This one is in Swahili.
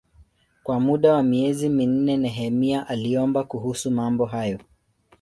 Kwa muda wa miezi minne Nehemia aliomba kuhusu mambo hayo.